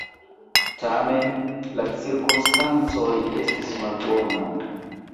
Tamen, la cirkonstancoj estis malbonaj.